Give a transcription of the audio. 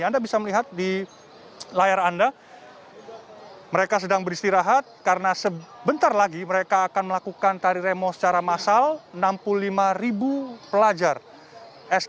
anda bisa melihat di layar anda mereka sedang beristirahat karena sebentar lagi mereka akan melakukan tari remo secara massal enam puluh lima ribu pelajar sd